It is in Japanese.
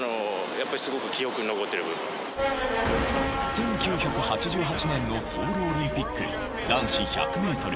１９８８年のソウルオリンピック男子１００メートル